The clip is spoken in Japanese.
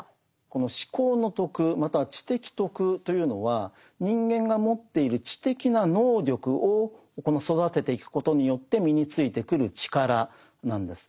この思考の徳または知的徳というのは人間が持っている知的な能力を育てていくことによって身についてくる力なんです。